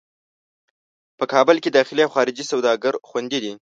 په کابل کې داخلي او خارجي سوداګر خوندي دي.